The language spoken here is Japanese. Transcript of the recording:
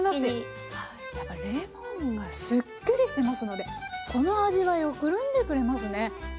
やっぱりレモンがスッキリしてますのでこの味わいをくるんでくれますね。